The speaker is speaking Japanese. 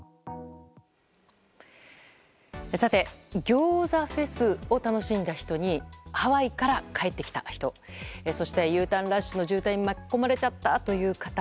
餃子フェスを楽しんだ人にハワイから帰ってきた人そして、Ｕターンラッシュの渋滞に巻き込まれちゃったという方